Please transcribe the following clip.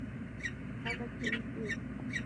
Other cases